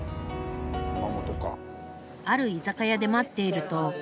ある居酒屋で待っていると。